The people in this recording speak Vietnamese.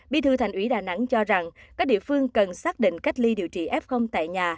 bí thư thành ủy đà nẵng cho rằng các địa phương cần xác định cách ly điều trị f tại nhà